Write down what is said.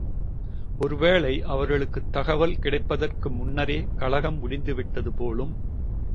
ஒரு வேளை அவர்களுக்குத் தகவல் கிடைப்பதற்கு முன்னரே கலகம் முடிந்து விட்டது போலும்.